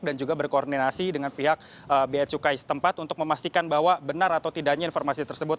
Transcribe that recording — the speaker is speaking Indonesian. dan juga berkoordinasi dengan pihak bacukis tempat untuk memastikan bahwa benar atau tidaknya informasi tersebut